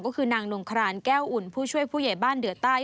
ก็คือนางนงครานแก้วอุ่นผู้ช่วยผู้ใหญ่บ้านเดือใต้